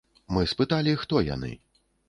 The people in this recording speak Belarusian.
Мы спыталі, хто яны.